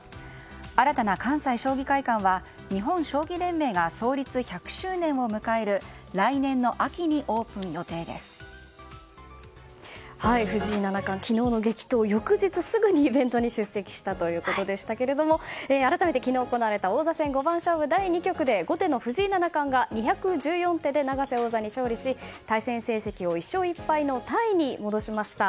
新たな関西将棋会館は日本将棋連盟が創立１００周年を迎える来年の秋に藤井七冠、昨日の激闘から翌日すぐにイベントに出席したということでしたけれども改めて昨日行われた王座戦五番勝負第２局で後手の藤井七冠が２１４手で永瀬王座に勝利し対戦成績を１勝１敗のタイに戻しました。